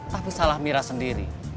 tapi salah mira sendiri